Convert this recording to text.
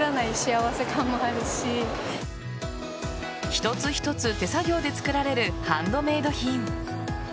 一つ一つ手作業で作られるハンドメイド品。